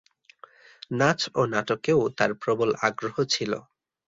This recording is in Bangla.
নাচ ও নাটকেও তার প্রবল আগ্রহ ছিল।